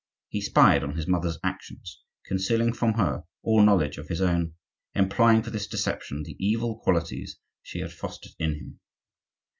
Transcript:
He spied on his mother's actions, concealing from her all knowledge of his own, employing for this deception the evil qualities she had fostered in him.